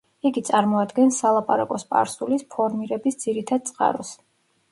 იგი წარმოადგენს სალაპარაკო სპარსულის ფორმირების ძირითად წყაროს.